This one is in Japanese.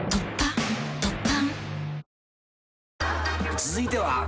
［続いては］